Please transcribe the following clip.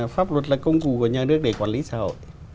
pháp luật là công cụ của nhà nước để quản lý xã hội